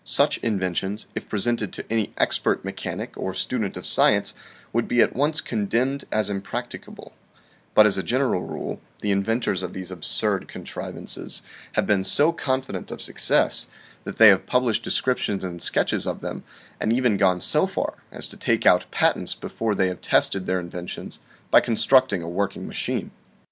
Such inventions if presented to any expert mechanic or student of science, would be at once condemned as impracticable, but as a general rule, the inventors of these absurd contrivances have been so confident of success, that they have published descriptions and sketches of them, and even gone so far as to take out patents before they have tested their inventions by constructing a working machine.